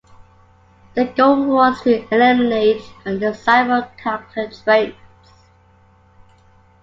The goal was to eliminate undesirable character traits.